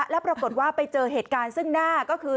แล้วปรากฏว่าไปเจอเหตุการณ์ซึ่งหน้าก็คือ